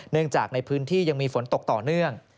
จากในพื้นที่ยังมีฝนตกต่อเนื่อง